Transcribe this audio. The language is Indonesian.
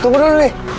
tunggu dulu nih